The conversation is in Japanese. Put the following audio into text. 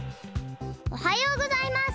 おはようございます。